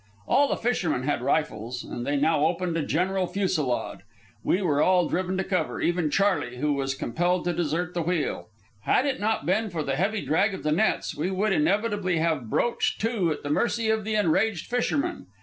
All the fishermen had rifles, and they now opened a general fusillade. We were all driven to cover even Charley, who was compelled to desert the wheel. Had it not been for the heavy drag of the nets, we would inevitably have broached to at the mercy of the enraged fishermen.